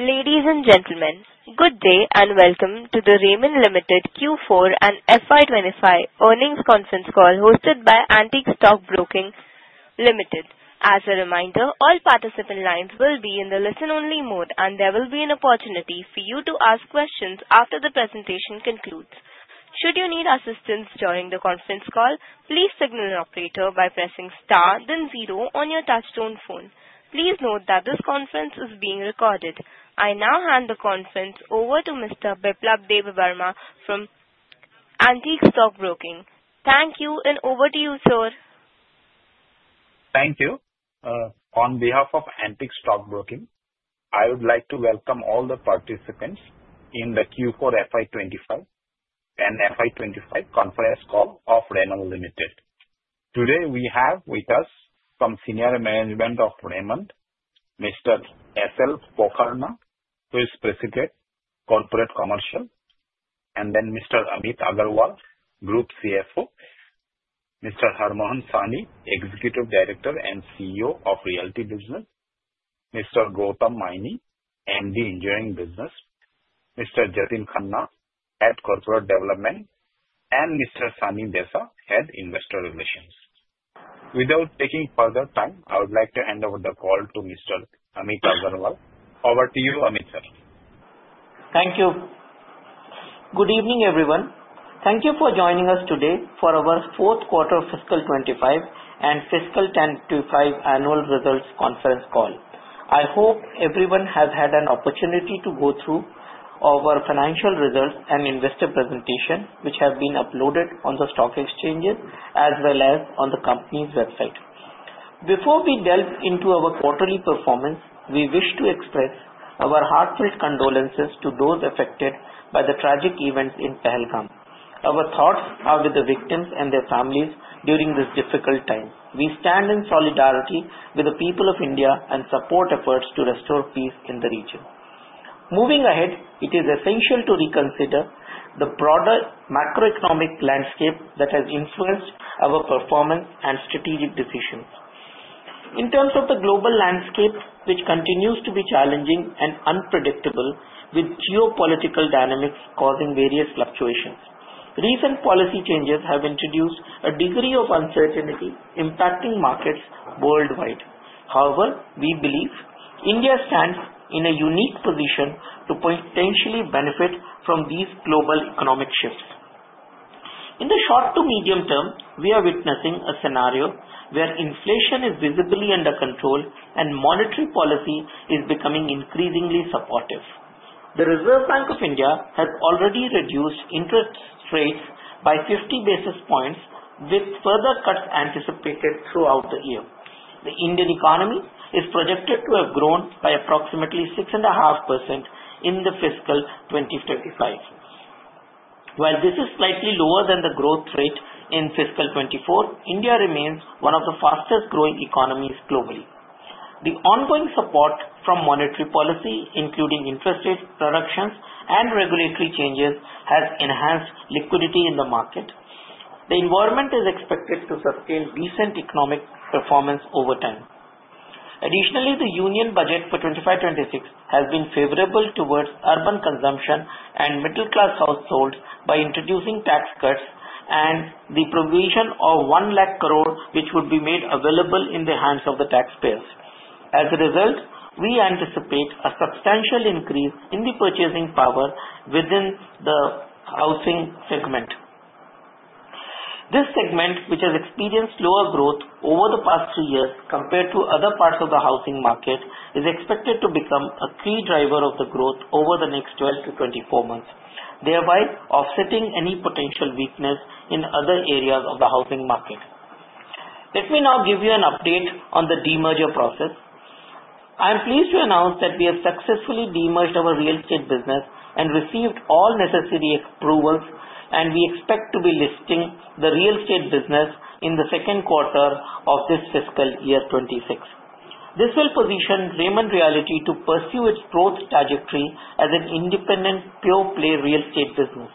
Ladies and gentlemen, good day and welcome to the Raymond Limited Q4 and FY25 Earnings Conference Call hosted by Antique Stock Broking Limited. As a reminder, all participant lines will be in the listen-only mode, and there will be an opportunity for you to ask questions after the presentation concludes. Should you need assistance during the conference call, please signal an operator by pressing star, then zero on your touch-tone phone. Please note that this conference is being recorded. I now hand the conference over to Mr. Biplab Debbarma from Antique Stock Broking. Thank you, and over to you, sir. Thank you. On behalf of Antique Stock Broking, I would like to welcome all the participants in the Q4 FY25 and FY25 Conference Call of Raymond Limited. Today, we have with us from Senior Management of Raymond, Mr. S.L. Pokharna President, Corporate Commercial, and then Mr. Amit Agarwal, Group CFO, Mr. Harmohan Sahni, Executive Director and CEO of Realty Business, Mr. Gautam Maini, MD Engineering Business, Mr. Jatin Khanna at Corporate Development, and Mr. Sunny Desa, Head Investor Relations. Without taking further time, I would like to hand over the call to Mr. Amit Agarwal. Over to you, Amit, sir. Thank you. Good evening, everyone. Thank you for joining us today for our fourth quarter of fiscal 2025 and fiscal 2025 annual results conference call. I hope everyone has had an opportunity to go through our financial results and investor presentation, which have been uploaded on the stock exchanges as well as on the company's website. Before we delve into our quarterly performance, we wish to express our heartfelt condolences to those affected by the tragic events in Pahalgam. Our thoughts are with the victims and their families during this difficult time. We stand in solidarity with the people of India and support efforts to restore peace in the region. Moving ahead, it is essential to reconsider the broader Macroeconomic Landscape that has influenced our performance and strategic decisions. In terms of the global landscape, which continues to be challenging and unpredictable, with geopolitical dynamics causing various fluctuations, recent policy changes have introduced a degree of uncertainty impacting markets worldwide. However, we believe India stands in a unique position to potentially benefit from these global economic shifts. In the short to medium term, we are witnessing a scenario where inflation is visibly under control and monetary policy is becoming increasingly supportive. The Reserve Bank of India has already reduced interest rates by 50 basis points, with further cuts anticipated throughout the year. The Indian economy is projected to have grown by approximately 6.5% in the fiscal 2025. While this is slightly lower than the growth rate in fiscal 2024, India remains one of the fastest-growing economies globally. The ongoing support from monetary policy, including interest rate reductions and regulatory changes, has enhanced liquidity in the market. The environment is expected to sustain decent economic performance over time. Additionally, the union budget for 2025-2026 has been favorable towards urban consumption and middle-class households by introducing tax cuts and the provision of 1 crores, which would be made available in the hands of the taxpayers. As a result, we anticipate a substantial increase in the purchasing power within the housing segment. This segment, which has experienced lower growth over the past three years compared to other parts of the housing market, is expected to become a key driver of the growth over the next 12-24 months, thereby offsetting any potential weakness in other areas of the housing market. Let me now give you an update on the demerger process. I am pleased to announce that we have successfully demerged our real estate business and received all necessary approvals, and we expect to be listing the real estate business in the second quarter of this fiscal year 2026. This will position Raymond Realty to pursue its growth trajectory as an independent pure-play real estate business.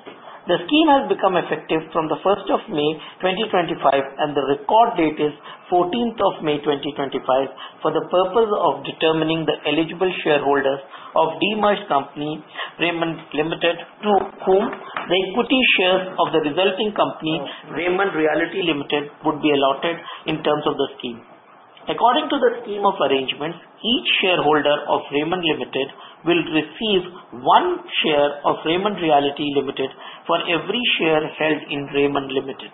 The scheme has become effective from the 1st of May 2025, and the record date is 14th of May 2025 for the purpose of determining the eligible shareholders of demerged company Raymond Limited, to whom the equity shares of the resulting company, Raymond Realty Limited, would be allotted in terms of the scheme. According to the scheme of arrangements, each shareholder of Raymond Limited will receive one share of Raymond Realty Limited for every share held in Raymond Limited.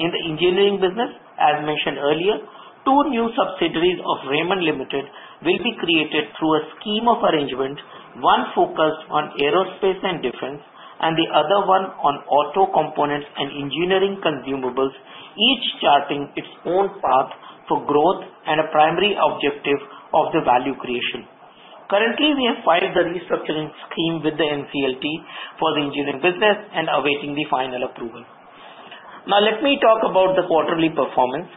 In the engineering business, as mentioned earlier, two new subsidiaries of Raymond Limited will be created through a scheme of arrangement, one focused on aerospace and defense and the other one on auto components and engineering consumables, each charting its own path for growth and a primary objective of the value creation. Currently, we have filed the restructuring scheme with the NCLT for the engineering business and awaiting the final approval. Now, let me talk about the quarterly performance.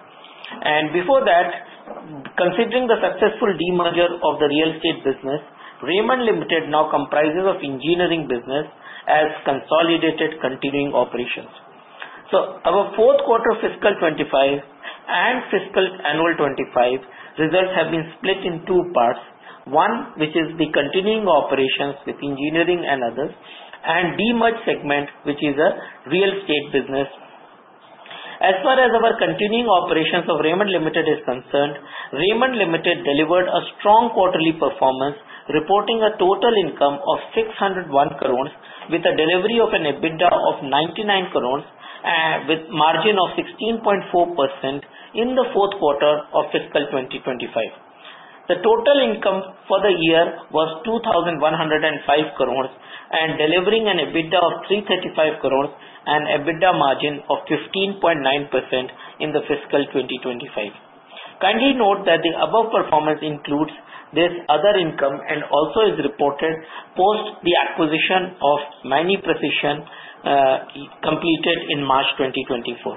Before that, considering the successful demerger of the real estate business, Raymond Limited now comprises of engineering business as consolidated continuing operations. Our fourth quarter fiscal 2025 and fiscal annual 2025 results have been split in two parts: one, which is the continuing operations with engineering and others, and demerged segment, which is a real estate business. As far as our continuing operations of Raymond Limited is concerned, Raymond Limited delivered a strong quarterly performance, reporting a total income of 601 crores, with a delivery of an EBITDA of 99 crore with a margin of 16.4% in the fourth quarter of fiscal 2025. The total income for the year was 2,105 crore, and delivering an EBITDA of 335 crore and an EBITDA margin of 15.9% in the fiscal 2025. Kindly note that the above performance includes this other income and also is reported post the acquisition of Maini Precision completed in March 2024.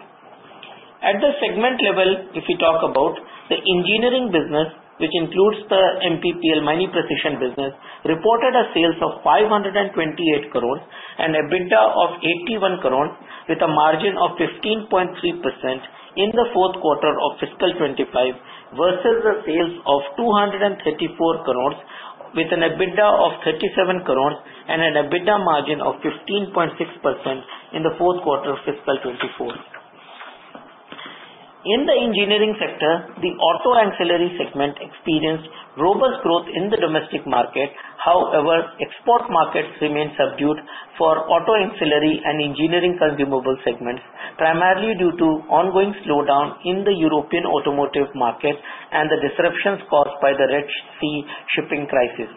At the segment level, if we talk about the engineering business, which includes the MPPL Maini Precision business, reported a sales of 528 crore and an EBITDA of 81 crore, with a margin of 15.3% in the fourth quarter of fiscal 2025 versus a sales of 234 crore, with an EBITDA of 37 crore and an EBITDA margin of 15.6% in the fourth quarter of fiscal 2024. In the engineering sector, the auto ancillary segment experienced robust growth in the domestic market. However, export markets remained subdued for auto ancillary and engineering consumable segments, primarily due to ongoing slowdown in the European automotive market and the disruptions caused by the Red Sea shipping crisis.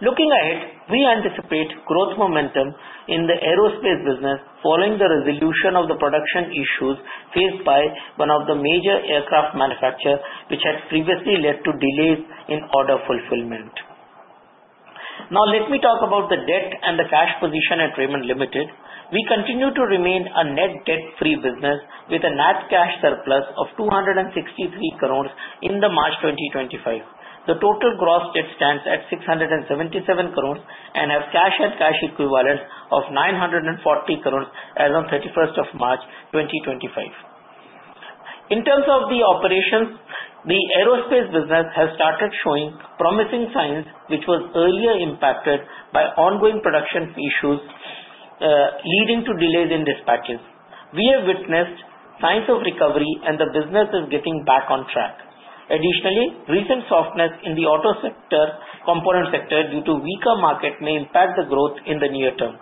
Looking ahead, we anticipate growth momentum in the aerospace business following the resolution of the production issues faced by one of the major aircraft manufacturers, which had previously led to delays in order fulfillment. Now, let me talk about the debt and the cash position at Raymond Limited. We continue to remain a net debt-free business with a net cash surplus of 263 crore in March 2025. The total gross debt stands at 677 crore and has cash and cash equivalents of 940 crore as of 31st of March 2025. In terms of the operations, the aerospace business has started showing promising signs, which was earlier impacted by ongoing production issues leading to delays in dispatches. We have witnessed signs of recovery, and the business is getting back on track. Additionally, recent softness in the auto sector component sector due to weaker market may impact the growth in the near term.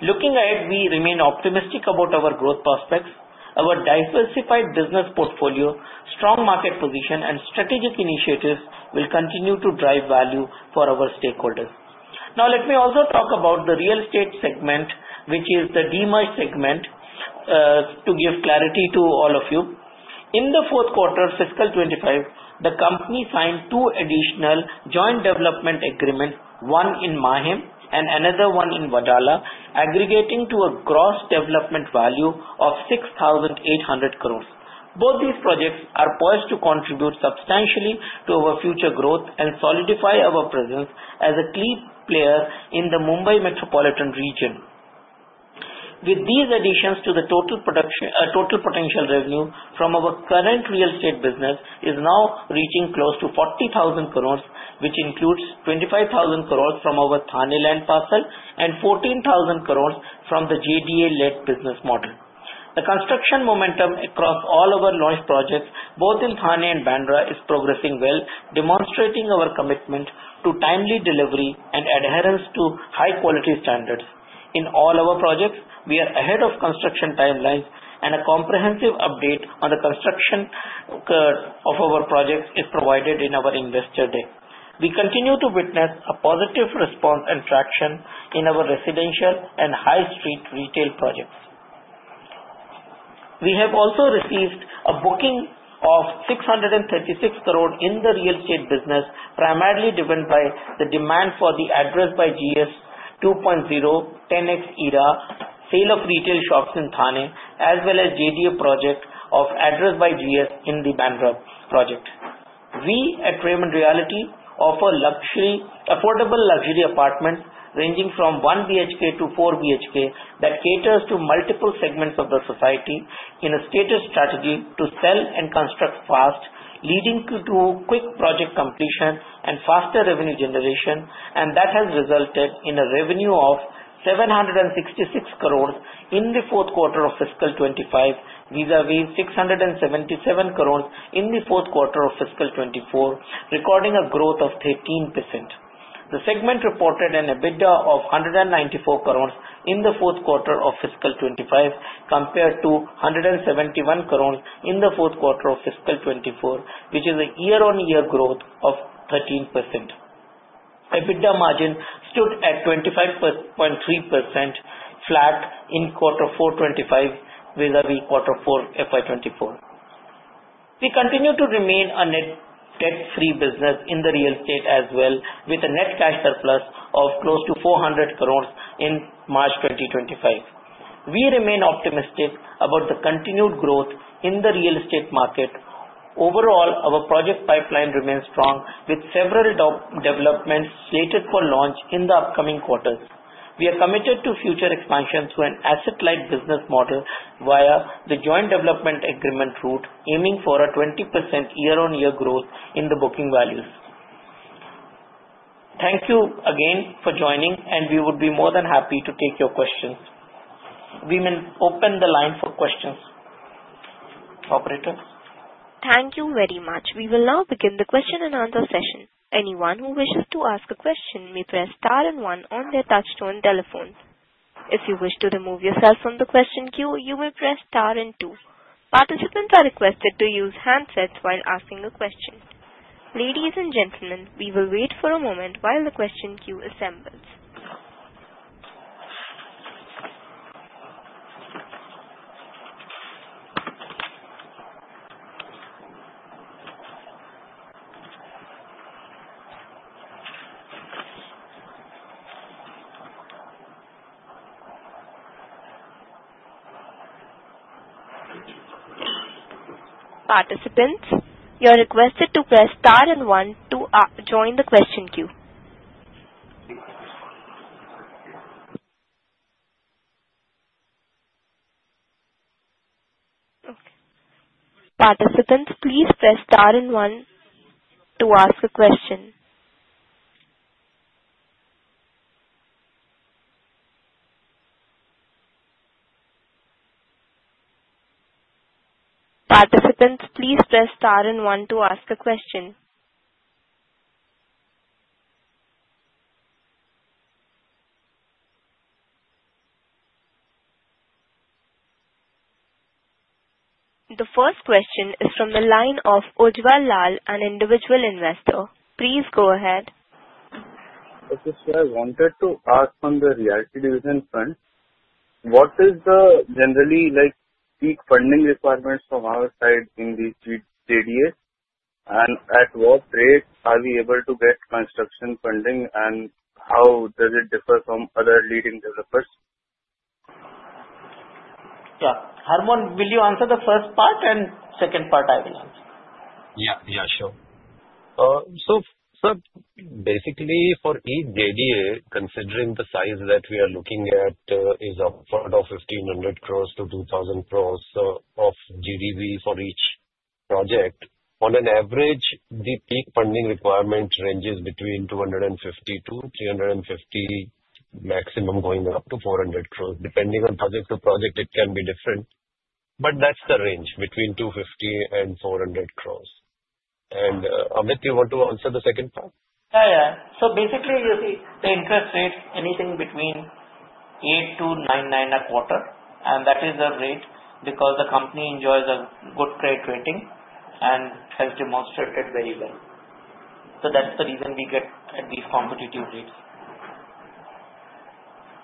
Looking ahead, we remain optimistic about our growth prospects. Our diversified business portfolio, strong market position, and strategic initiatives will continue to drive value for our stakeholders. Now, let me also talk about the real estate segment, which is the demerged segment, to give clarity to all of you. In the fourth quarter fiscal 2025, the company signed two additional joint development agreements, one in Mahim and another one in Wadala, aggregating to a gross development value of 6,800 crore. Both these projects are poised to contribute substantially to our future growth and solidify our presence as a key player in the Mumbai metropolitan region. With these additions, the total potential revenue from our current real estate business is now reaching close to 40,000 crore, which includes 25,000 crore from our Thane land parcel and 14,000 crore from the JDA-led business model. The construction momentum across all our launch projects, both in Thane and Bandra, is progressing well, demonstrating our commitment to timely delivery and adherence to high-quality standards. In all our projects, we are ahead of construction timelines, and a comprehensive update on the construction curve of our projects is provided in our investor day. We continue to witness a positive response and traction in our residential and high street retail projects. We have also received a booking of 636 crore in the real-estate business, primarily driven by the demand for the Address by GS 2.0 10X ERA sale of retail shops in Thane, as well as the JDA project of Address by GS in the Bandra project. We at Raymond Realty offer affordable luxury apartments ranging from 1 BHK-4 BHK that caters to multiple segments of the society in a stated strategy to sell and construct fast, leading to quick project completion and faster revenue generation, and that has resulted in a revenue of 766 crore in the fourth quarter of fiscal 2025, vis-à-vis 677 crore in the fourth quarter of fiscal 2024, recording a growth of 13%. The segment reported an EBITDA of 194 crore in the fourth quarter of fiscal 2025 compared to 171 crore in the fourth quarter of fiscal 2024, which is a year-on-year growth of 13%. EBITDA margin stood at 25.3% flat in quarter four 2025, vis-à-vis quarter four fiscal 2024. We continue to remain a net debt-free business in the real estate as well, with a net cash surplus of close to 400 crore in March 2025. We remain optimistic about the continued growth in the real estate market. Overall, our project pipeline remains strong, with several developments slated for launch in the upcoming quarters. We are committed to future expansion through an asset-light business model via the joint development agreement route, aiming for a 20% year-on-year growth in the booking values. Thank you again for joining, and we would be more than happy to take your questions. We may open the line for questions. Operator. Thank you very much. We will now begin the question and answer session. Anyone who wishes to ask a question may press star and one on their touch-stone telephones. If you wish to remove yourself from the question queue, you may press star and two. Participants are requested to use handsets while asking a question. Ladies and gentlemen, we will wait for a moment while the question queue assembles. Participants, you are requested to press star and one to join the question queue. Okay. Participants, please press star and one to ask a question. Participants, please press star and one to ask a question. The first question is from the line of Ujjwala Lal, an individual investor. Please go ahead. Okay, sir. I wanted to ask on the realty division front, what is the generally like peak funding requirements from our side in these JDAs? And at what rate are we able to get construction funding, and how does it differ from other leading developers? Yeah. Harmohan, will you answer the first part, and second part I will answer? Yeah, yeah, sure. So sir, basically for each JDA, considering the size that we are looking at, it is upward of 1,500 crore-2,000 crore of GDV for each project. On an average, the peak funding requirement ranges between 250 crore-350 crore, maximum going up to 400 crore. Depending on project to project, it can be different, but that's the range between 250 crore and 400 crore. Amit, you want to answer the second part? Yeah, yeah. Basically, you see the interest rate, anything between 8%-9% a quarter, and that is the rate because the company enjoys a good credit rating and has demonstrated very well. That's the reason we get at these competitive rates.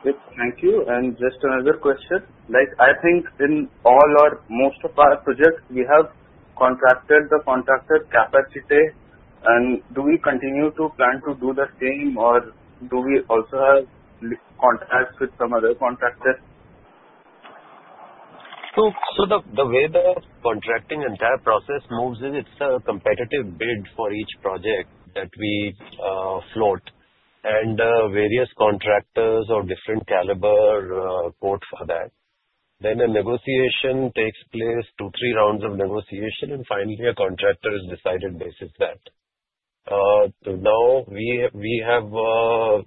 Great. Thank you. Just another question. Like I think in all or most of our projects, we have contracted the contractor capacity, and do we continue to plan to do the same, or do we also have contracts with some other contractors? The way the contracting entire process moves is it's a competitive bid for each project that we float, and various contractors of different caliber quote for that. Then a negotiation takes place, two, three rounds of negotiation, and finally a contractor is decided basis that. We have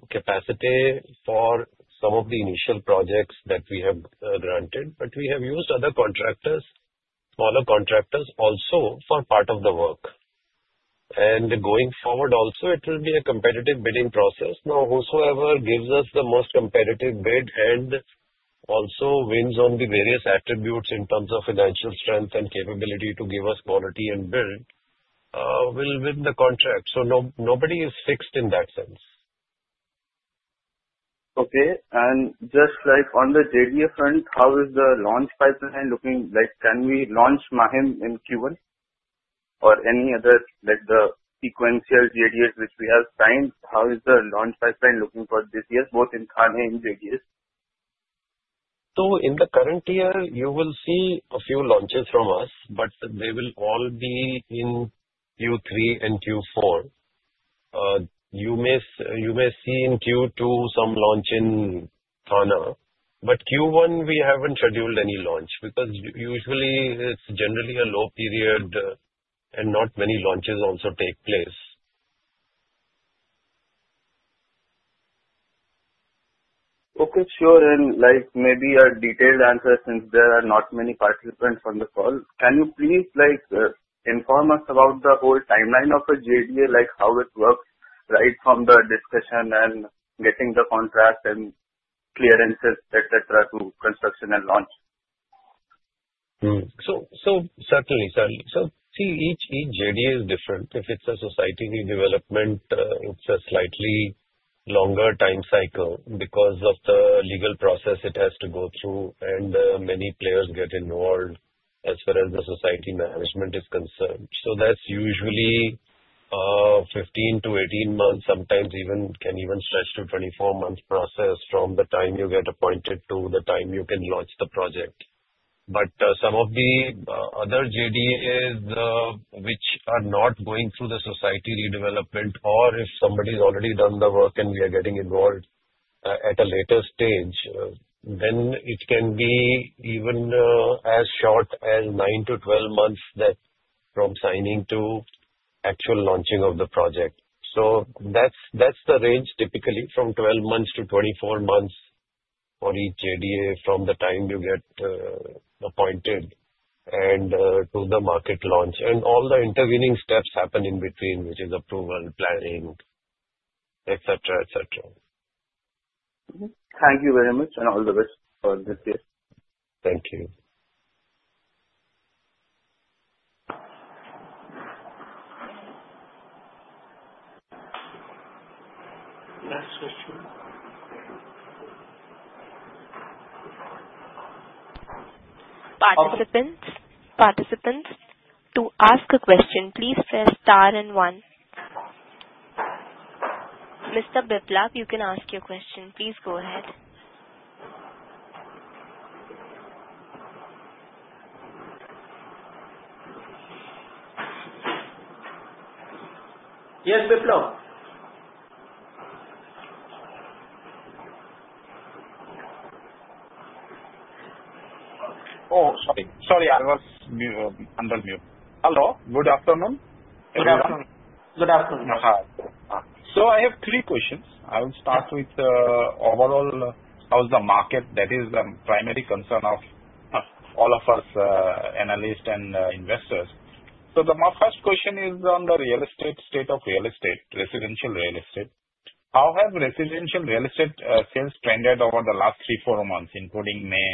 capacity for some of the initial projects that we have granted, but we have used other contractors, smaller contractors also for part of the work. Going forward also, it will be a competitive bidding process. Whoever gives us the most competitive bid and also wins on the various attributes in terms of financial strength and capability to give us quality and build will win the contract. Nobody is fixed in that sense. Okay. Just like on the JDA front, how is the launch pipeline looking? Like can we launch Mahim in Q1 or any other, like the sequential JDAs which we have signed? How is the launch pipeline looking for this year, both in Thane and JDAs? In the current year, you will see a few launches from us, but they will all be in Q3 and Q4. You may see in Q2 some launch in Thane, but Q1 we have not scheduled any launch because usually it is generally a low period and not many launches also take place. Okay, sure. And like maybe a detailed answer since there are not many participants on the call, can you please like inform us about the whole timeline of a JDA, like how it works right from the discussion and getting the contract and clearances, etc., to construction and launch? Certainly, certainly. See, each JDA is different. If it's a society development, it's a slightly longer time cycle because of the legal process it has to go through, and many players get involved as far as the society management is concerned. That's usually 15-18 months, sometimes can even stretch to a 24-month process from the time you get appointed to the time you can launch the project. Some of the other JDAs which are not going through the society redevelopment, or if somebody's already done the work and we are getting involved at a later stage, then it can be even as short as 9-12 months from signing to actual launching of the project. That's the range, typically from 12 months -24 months for each JDA from the time you get appointed and to the market launch. And all the intervening steps happen in between, which is approval, planning, etc., etc. Thank you very much and all the best for this year. Thank you. Last question. Participants, to ask a question, please press star and one. Mr. Biplab, you can ask your question. Please go ahead. Yes, Biplab. Oh, sorry. Sorry, I was under mute. Hello. Good afternoon. Good afternoon. Good afternoon. I have three questions. I will start with overall, how's the market? That is the primary concern of all of us analysts and investors. The first question is on the real estate, state of real estate, residential real estate. How have residential real estate sales trended over the last three, four months, including May,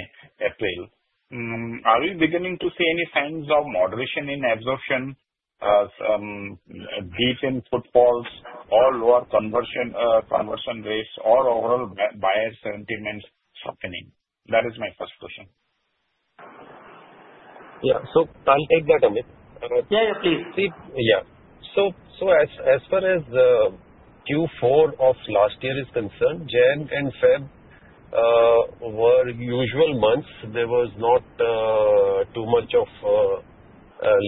April? Are we beginning to see any signs of moderation in absorption, be it in footfalls, or lower conversion rates, or overall buyer sentiments happening? That is my first question. Yeah. Can I take that, Amit? Yeah, yeah, please. As far as Q4 of last year is concerned, January and February were usual months. There was not too much of,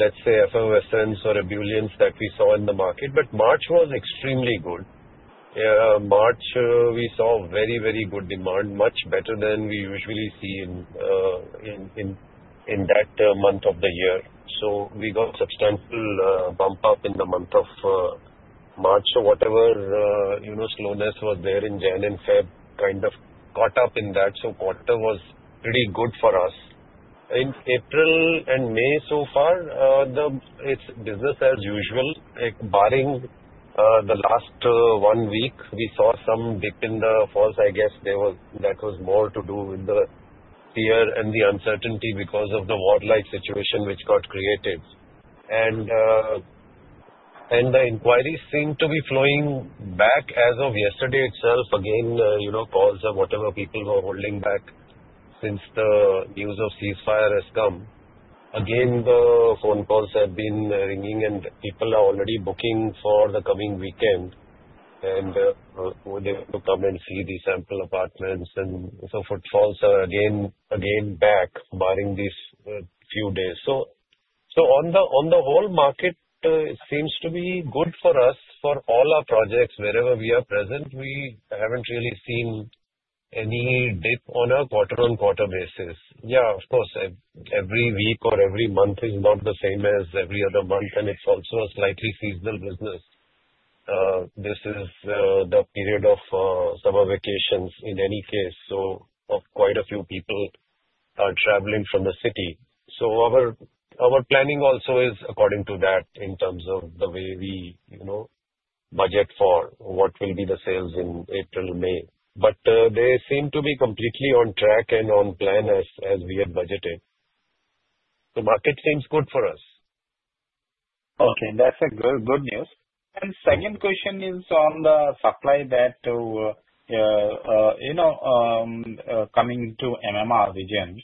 let's say, effervescence or ebullience that we saw in the market, but March was extremely good. March we saw very, very good demand, much better than we usually see in that month of the year. We got a substantial bump up in the month of March. Whatever slowness was there in January and February kind of caught up in that. The quarter was pretty good for us. In April and May so far, it is business as usual. Barring the last one week, we saw some dip in the falls. I guess that was more to do with the fear and the uncertainty because of the war-like situation which got created. The inquiries seem to be flowing back as of yesterday itself. Again, calls of whatever people were holding back since the news of ceasefire has come. The phone calls have been ringing, and people are already booking for the coming weekend, and they have to come and see the sample apartments. Footfalls are again back, barring these few days. On the whole, the market seems to be good for us. For all our projects, wherever we are present, we have not really seen any dip on a quarter-on-quarter basis. Of course, every week or every month is not the same as every other month, and it is also a slightly seasonal business. This is the period of summer vacations in any case, so quite a few people are traveling from the city. Our planning also is according to that in terms of the way we budget for what will be the sales in April-May. They seem to be completely on track and on plan as we had budgeted. The market seems good for us. Okay. That's good news. Second question is on the supply that is coming to the MMR region.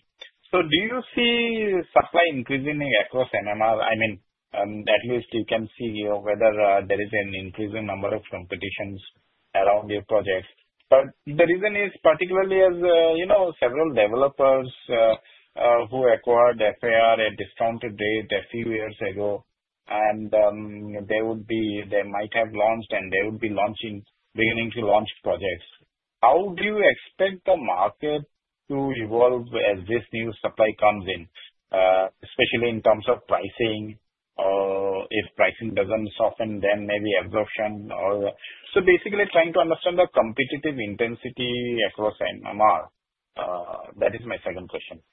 Do you see supply increasing across MMR? I mean, at least you can see whether there is an increase in number of competitions around your projects. The reason is particularly as several developers who acquired FAR at discounted rate a few years ago, and they might have launched, and they would be beginning to launch projects. How do you expect the market to evolve as this new supply comes in, especially in terms of pricing? If pricing does not soften, then maybe absorption or so basically trying to understand the competitive intensity across MMR. That is my second question.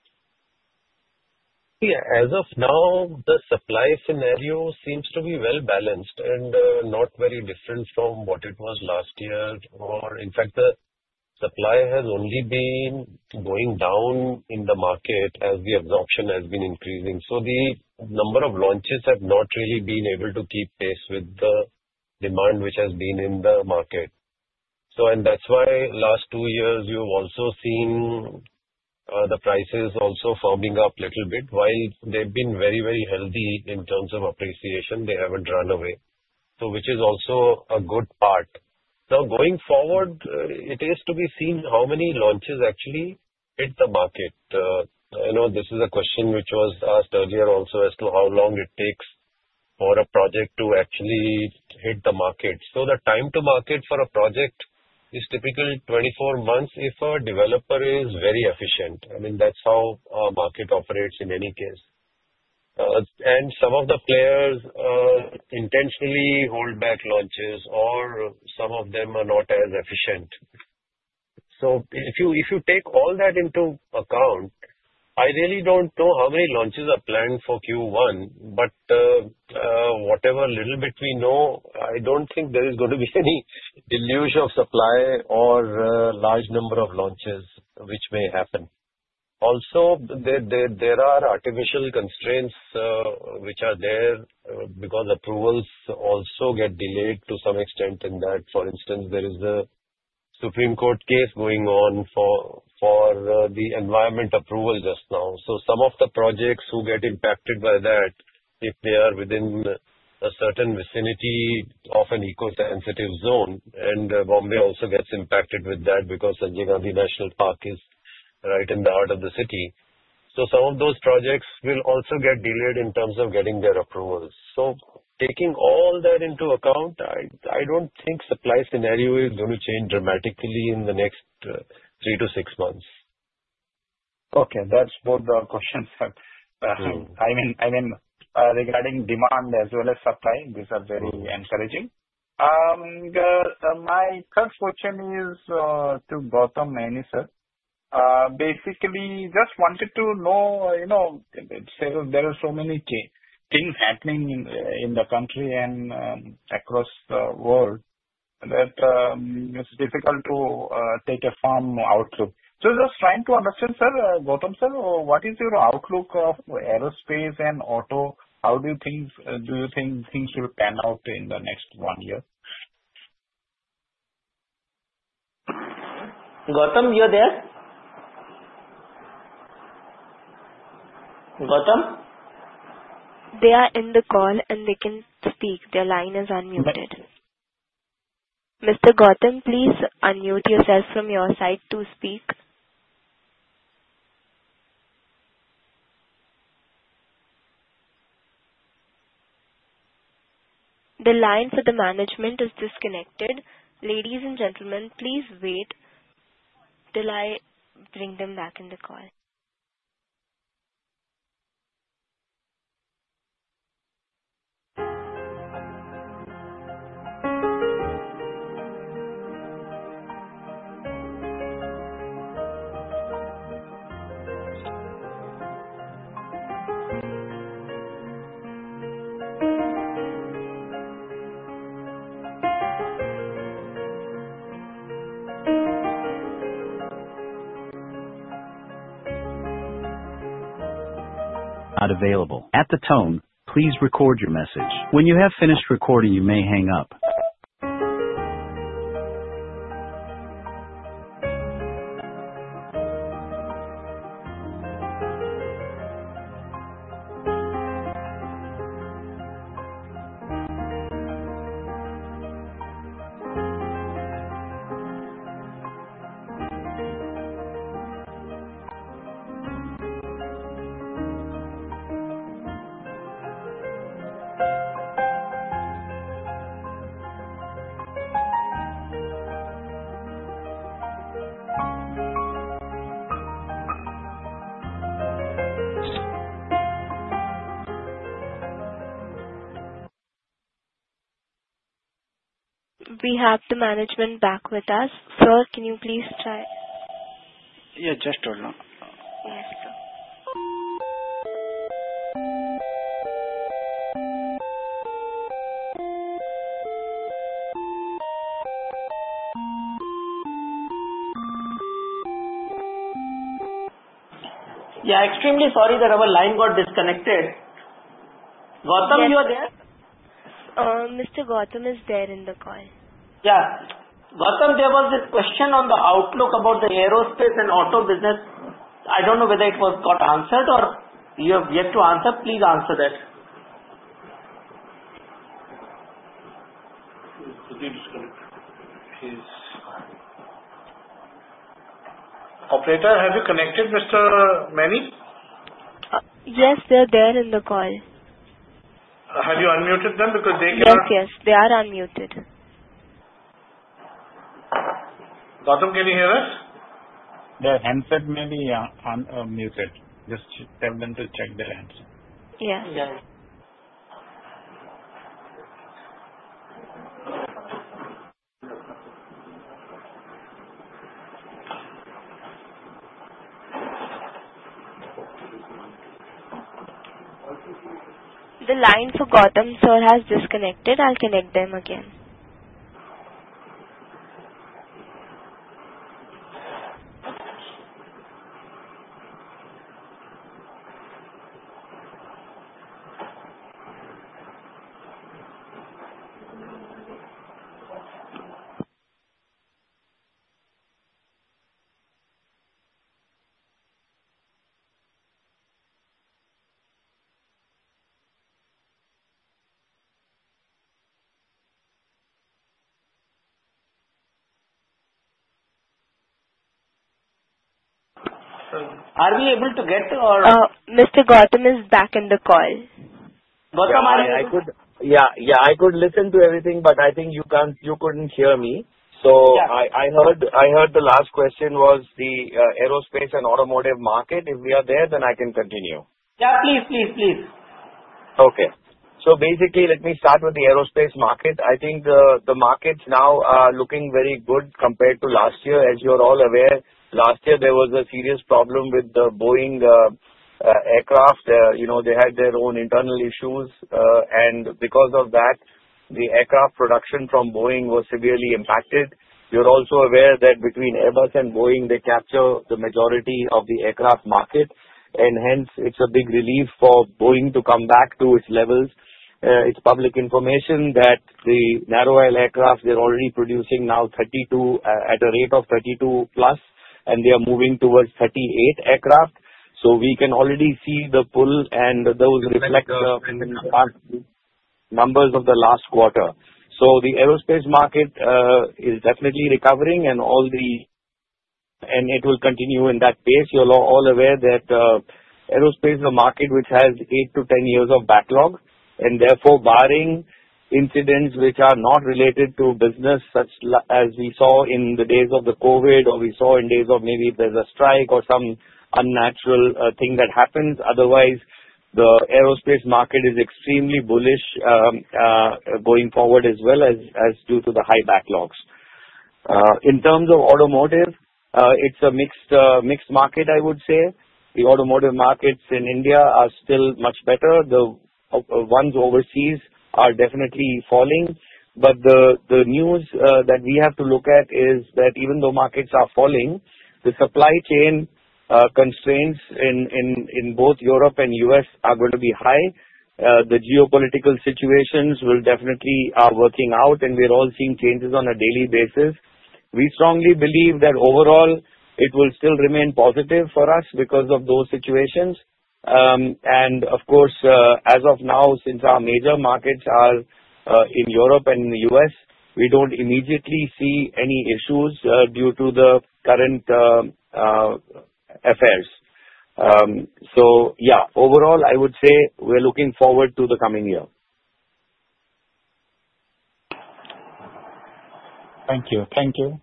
Yeah. As of now, the supply scenario seems to be well balanced and not very different from what it was last year. In fact, the supply has only been going down in the market as the absorption has been increasing. The number of launches has not really been able to keep pace with the demand which has been in the market. That is why the last two years you have also seen the prices also firming up a little bit. While they have been very, very healthy in terms of appreciation, they have not run away, which is also a good part. Now going forward, it is to be seen how many launches actually hit the market. This is a question which was asked earlier also as to how long it takes for a project to actually hit the market. The time to market for a project is typically 24 months if a developer is very efficient. I mean, that's how market operates in any case. Some of the players intentionally hold back launches, or some of them are not as efficient. If you take all that into account, I really do not know how many launches are planned for Q1, but whatever little bit we know, I do not think there is going to be any deluge of supply or large number of launches which may happen. Also, there are artificial constraints which are there because approvals also get delayed to some extent in that. For instance, there is a Supreme Court case going on for the environment approval just now. Some of the projects who get impacted by that, if they are within a certain vicinity of an Eco-sensitive zone, and Bombay also gets impacted with that because Sanjay Gandhi National Park is right in the heart of the city. Some of those projects will also get delayed in terms of getting their approvals. Taking all that into account, I do not think supply scenario is going to change dramatically in the next three to six months. Okay. That is both our questions. I mean, regarding demand as well as supply, these are very encouraging. My third question is to Gautam in research. Basically, just wanted to know, there are so many things happening in the country and across the world that it is difficult to take a firm outlook. Just trying to understand, Gautam sir, what is your outlook of Aerospace and Auto? How do you think things will pan out in the next one year? Gautam, you are there? Gautam? They are in the call, and they can speak. Their line is unmuted. Mr. Gautam, please unmute yourself from your side to speak. The line for the management is disconnected. Ladies and gentlemen, please wait till I bring them back in the call. Not available. At the tone, please record your message. When you have finished recording, you may hang up. We have the management back with us. Sir, can you please try? Yeah, just hold on. Yes, sir. Yeah, extremely sorry that our line got disconnected. Gautam, you are there? Mr. Gautam is there in the call. Yeah. Gautam, there was this question on the outlook about the aerospace and auto business. I do not know whether it got answered or you have yet to answer. Please answer that. Operator, have you connected Mr. Maini? Yes, they are there in the call. Have you unmuted them because they cannot? Yes, yes. They are unmuted. Gautam, can you hear us? Their handset may be muted. Just tell them to check their handset. Yes. The line for Gautam sir has disconnected. I'll connect them again. Are we able to get to or? Mr. Gautam is back in the call. Gautam, yeah, I could listen to everything, but I think you could not hear me. I heard the last question was the aerospace and automotive market. If we are there, then I can continue. Yes, please, please, please. Okay. Basically, let me start with the Aerospace market. I think the markets now are looking very good compared to last year. As you are all aware, last year there was a serious problem with the Boeing aircraft. They had their own internal issues. Because of that, the aircraft production from Boeing was severely impacted. You're also aware that between Airbus and Boeing, they capture the majority of the aircraft market. Hence, it's a big relief for Boeing to come back to its levels. It's public information that the narrow-aisle aircraft, they're already producing now at a rate of 32 plus, and they are moving towards 38 aircraft. We can already see the pull, and those reflect the numbers of the last quarter. The aerospace market is definitely recovering, and it will continue in that pace. You're all aware that aerospace is a market which has 8-10 years of backlog, and therefore barring incidents which are not related to business, such as we saw in the days of the COVID, or we saw in days of maybe there's a strike or some unnatural thing that happens. Otherwise, the Aerospace market is extremely bullish going forward as well as due to the high backlogs. In terms of automotive, it's a mixed market, I would say. The automotive markets in India are still much better. The ones overseas are definitely falling. The news that we have to look at is that even though markets are falling, the supply chain constraints in both Europe and the U.S. are going to be high. The geopolitical situations will definitely be working out, and we're all seeing changes on a daily basis. We strongly believe that overall, it will still remain positive for us because of those situations. Of course, as of now, since our major markets are in Europe and in the U.S., we do not immediately see any issues due to the current affairs. Yeah, overall, I would say we're looking forward to the coming year. Thank you. Thank you.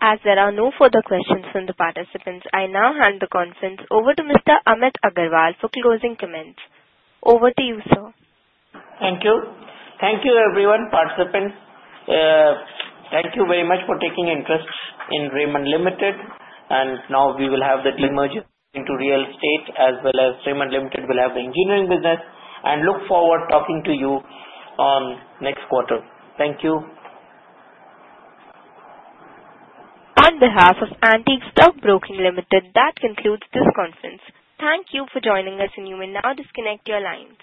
As there are no further questions from the participants, I now hand the conference over to Mr. Amit Agarwal for closing comments. Over to you, sir. Thank you. Thank you, everyone, participants. Thank you very much for taking interest in Raymond Limited. Now we will have the team merging into real estate, as well as Raymond Limited will have the engineering business and look forward to talking to you next quarter. Thank you. On behalf of Antique Stock Broking Limited, that concludes this conference. Thank you for joining us, and you may now disconnect your line.